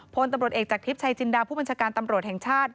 พลตำรวจเอกจากทริปชัยจินดาผู้บัญชาการตำรวจแห่งชาติ